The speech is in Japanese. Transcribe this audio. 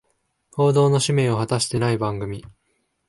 報道の使命を果たしてない番組